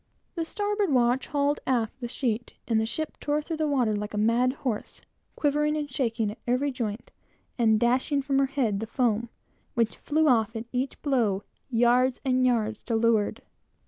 The starboard watch hauled aft the sheet, and the ship tore through the water like a mad horse, quivering and shaking at every joint, and dashing from its head the foam, which flew off at every blow, yards and yards to leeward.